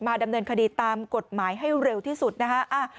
ดำเนินคดีตามกฎหมายให้เร็วที่สุดนะคะ